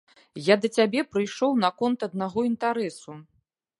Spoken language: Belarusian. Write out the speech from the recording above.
Я да цябе прыйшоў наконт аднаго інтэрасу.